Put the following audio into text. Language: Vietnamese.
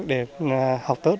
để học tốt